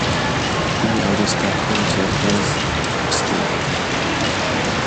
کونی ئاودەست تا قوونی سەرباز بستێکە